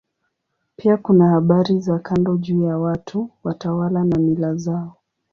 Pia kuna habari za kando juu ya watu, watawala na mila zao.